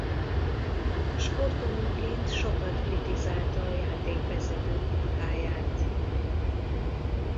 Sportolóként sokat kritizálta a játékvezetők munkáját.